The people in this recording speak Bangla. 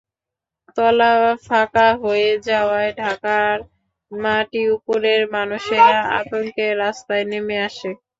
তলা ফাঁকা হয়ে যাওয়া ঢাকার মাটির ওপরের মানুষেরা আতঙ্কে রাস্তায় নেমে আসে।